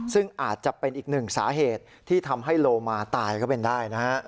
ซึ่งอาจจะเป็นอีกหนึ่งสาเหตุที่ทำให้โลมาตายก็เป็นได้นะฮะ